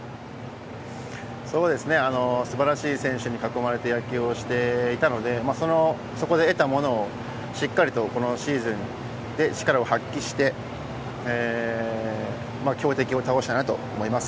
そうですね、すばらしい選手に囲まれて野球をしていたので、そこで得たものをしっかりとこのシーズンで力を発揮して、強敵を倒したいなと思います。